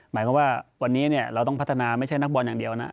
หมายความว่าวันนี้เราต้องพัฒนาไม่ใช่นักบอลอย่างเดียวนะ